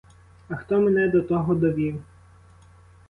А хто мене до того довів?